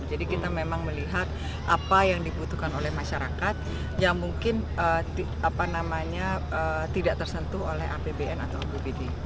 jadi kita memang melihat apa yang dibutuhkan oleh masyarakat yang mungkin tidak tersentuh oleh apbn atau abbd